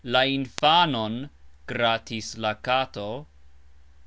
La infanon gratis la kato.